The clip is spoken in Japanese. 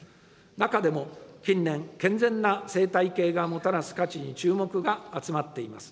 中でも近年、健全な生態系がもたらす価値に注目が集まっています。